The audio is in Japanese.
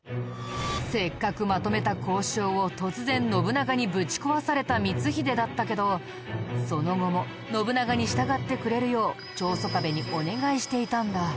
せっかくまとめた交渉を突然信長にぶち壊された光秀だったけどその後も信長に従ってくれるよう長宗我部にお願いしていたんだ。